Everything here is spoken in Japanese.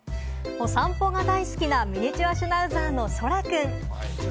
お散歩が大好きなミニチュアシュナウザーの空くん。